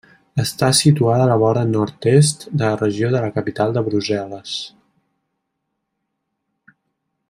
Està situada a la vora nord-est de la Regió de la capital Brussel·les.